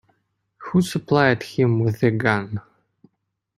Who supplied him with the gun?